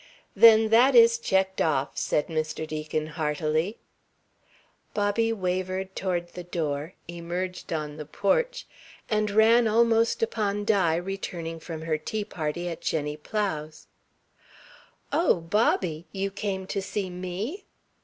"Then that is checked off," said Mr. Deacon heartily. Bobby wavered toward the door, emerged on the porch, and ran almost upon Di returning from her tea party at Jenny Plow's. "Oh, Bobby! You came to see me?"